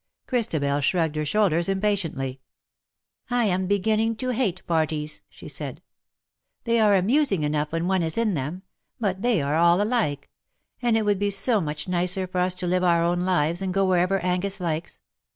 Christabel shrugged her shoulders impatiently. '^ I am beginniug to hate parties," she said.. " They are amusing enough when one is in them — but they are all alike — and it would be so much nicer for us to live our own lives, and go wdierevcr Angus likes.